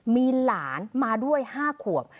มีหลานมาด้วย๕ขวบ